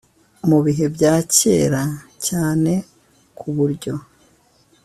mu bihe bya kera cyane ku buryo